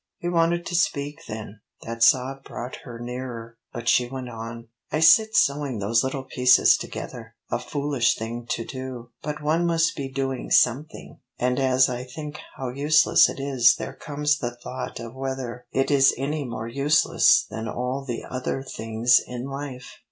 He wanted to speak then; that sob brought her nearer. But she went on: "I sit sewing those little pieces together a foolish thing to do, but one must be doing something, and as I think how useless it is there comes the thought of whether it is any more useless than all the other things in life.